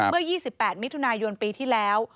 เมื่อ๒๘มิถุนายนปีที่แล้ว